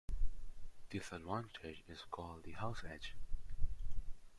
This advantage is called the "house edge".